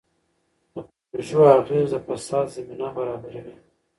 د پروژو اغېز د فساد زمینه برابروي.